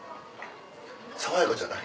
爽やかじゃない？